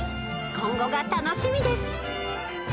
今後が楽しみです］